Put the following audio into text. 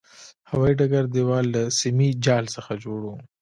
هوایي ډګر دېوال له سیمي جال څخه جوړ و.